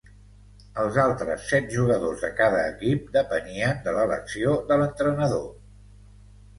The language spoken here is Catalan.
Els altres set jugadors de cada equip depenien de l’elecció de l’entrenador.